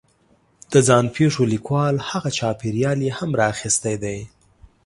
د ځان پېښو لیکوال هغه چاپېریال یې هم را اخستی دی